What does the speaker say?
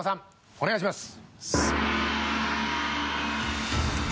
お願いします！